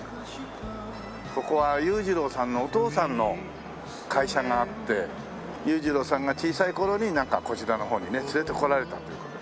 ここは裕次郎さんのお父さんの会社があって裕次郎さんが小さい頃にこちらの方にね連れてこられたという事で。